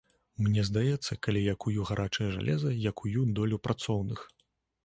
Мне здаецца, калі я кую гарачае жалеза, я кую долю працоўных!